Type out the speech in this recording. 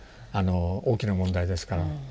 大きな問題ですから。